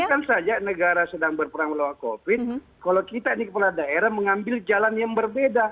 bukan saja negara sedang berperang melawan covid kalau kita ini kepala daerah mengambil jalan yang berbeda